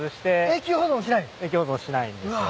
永久保存しないんですよ。